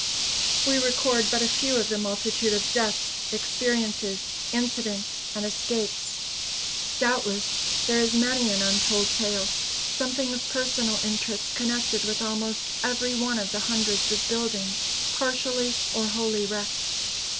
We record but a few of the multitude of deaths, experiences, incidents and escapes. Doubtless, there is many an untold tale something of personal interest connected with almost every one of the hundreds of buildings partially or wholly wrecked.